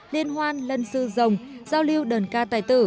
liên hoan lân sư rồng giao lưu đơn ca tài tử